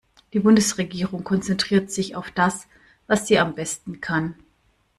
Die Bundesregierung konzentriert sich auf das, was sie am besten kann.